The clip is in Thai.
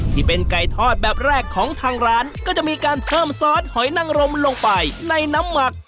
ที่เป็นไก่ทอดแบบแรกของทางร้านก็จะมีการเพิ่มซอสหอยนังรมลงไปในน้ำหมัก